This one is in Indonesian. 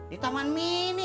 di taman mini